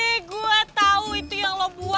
nggak ada buktinya nyomut